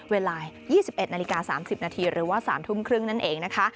เวลา๒๑๓๐นหรือว่า๓๓๐นนั่นเองนะคะ